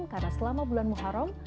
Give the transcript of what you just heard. karena selama bulan muharram